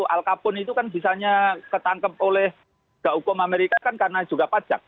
alkapun itu kan bisanya ketangkep oleh gak hukum amerika kan karena juga pajak